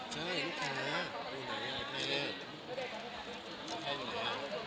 ใช่ลูกค้า